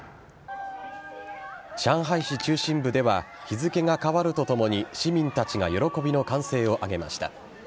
上海市中心部では日付が変わるとともに市民たちが喜びの歓声を上げました。